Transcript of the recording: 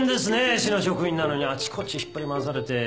市の職員なのにあちこち引っ張り回されて。